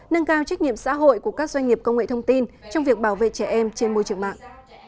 nâng cao trách nhiệm xã hội của các doanh nghiệp công nghệ thông tin trong việc bảo vệ trẻ em trên môi trường mạng